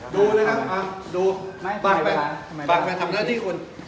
ดูเลยนะเอาดูไม่ทำไมเวลาปากไปปากไปทำเล่าที่คุณ